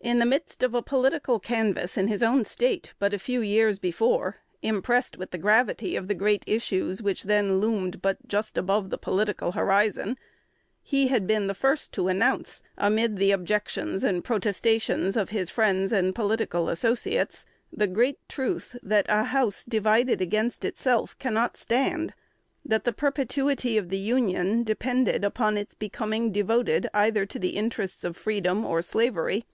In the midst of a political canvass in his own State but a few years before, impressed with the gravity of the great issues which then loomed but just above the political horizon, he had been the first to announce, amid the objections and protestations of his friends and political associates, the great truth, that "a house divided against itself cannot stand;" that the perpetuity of the Union depended upon its becoming devoted either to the interests of freedom or slavery.